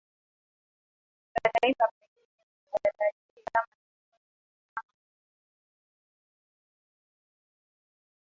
za taifa pengine tutarajie kama si kenya ama uganda